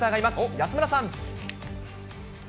安村さん。